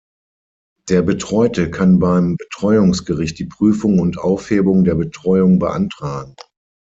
Der Betreute kann beim Betreuungsgericht die Prüfung und Aufhebung der Betreuung beantragen.